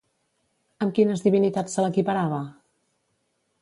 Amb quines divinitats se l'equiparava?